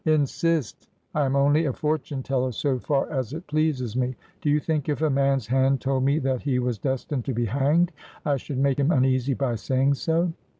' Insist ! I am only a fortune teller so far as it pleases me. Do you think if a man's hand told me that he was destined to be hanged, I should make him uneasy by saying so